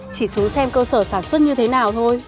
chỉ số xem cơ sở sản xuất như thế nào thôi